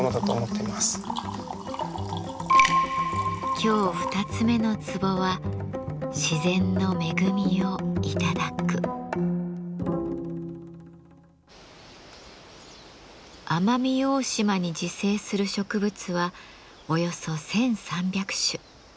今日二つ目のツボは奄美大島に自生する植物はおよそ１，３００種。